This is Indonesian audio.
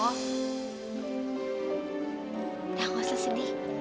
udah gak usah sedih